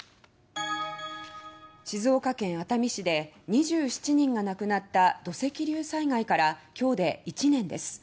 静岡県熱海市で２７人が亡くなった土石流災害から今日で１年です。